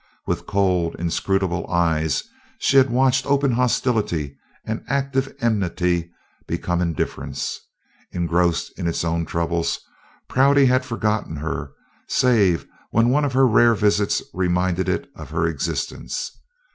With cold inscrutable eyes she had watched open hostility and active enmity become indifference. Engrossed in its own troubles, Prouty had forgotten her, save when one of her rare visits reminded it of her existence.